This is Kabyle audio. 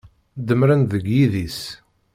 Demmren-d deg yidis.